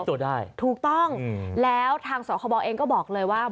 ตัวได้ถูกต้องแล้วทางสคบเองก็บอกเลยว่า